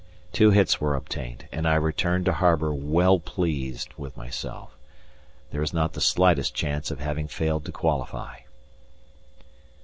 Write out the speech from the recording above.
Two hits were obtained, and I returned to harbour well pleased with myself. There is not the slightest chance of having failed to qualify.